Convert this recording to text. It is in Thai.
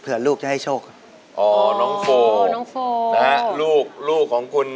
ท้องเอิดหายใจก็เกิดหลังคา